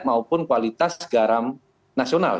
maupun kualitas garam nasional